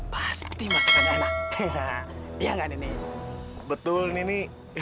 pasti masakan enak ya nggak ini betul ini